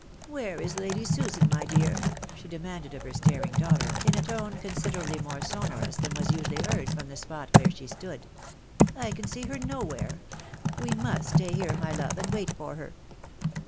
'_' Where is Lady Susan, my dear ?" she demanded of her staring daughter, in a tone considerably more sonorous than was usually heard from the spot where she stood ; "I can see her nowhere ! We must stay here, my love, and wait for her."